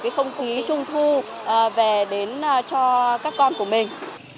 cái không khí trung thu về đến cho các con của mình